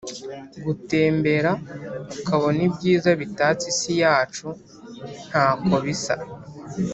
gutembera ukabona ibyiza bitatse isi yacu nta ko bisa